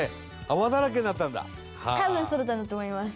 多分そうだったんだと思います。